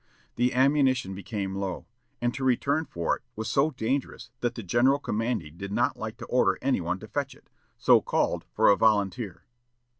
The ammunition became low, and to return for it was so dangerous that the general commanding did not like to order any one to fetch it, so called for a volunteer.